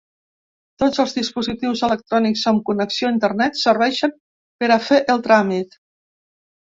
Tots els dispositius electrònics amb connexió a internet serveixen per a fer el tràmit.